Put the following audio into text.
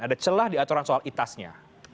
ada celah di aturan soal itas nya